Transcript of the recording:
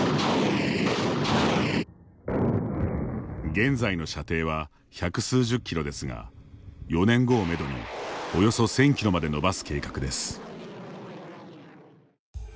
現在の射程は百数十キロですが４年後をめどにおよそ千キロまで伸ばす計画です。